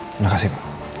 terima kasih pak